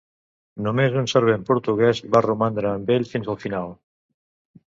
Només un servent portuguès va romandre amb ell fins al final.